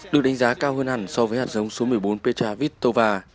được đánh giá cao hơn hẳn so với hạt dống số một mươi bốn petra kvitova